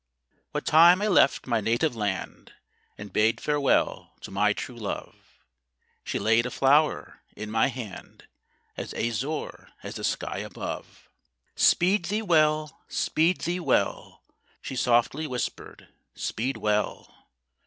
What time I left my native land, And bade farewell to my true love, She laid a flower in my hand As azure as the sky above. "Speed thee well! Speed well!" She softly whispered, "Speed well!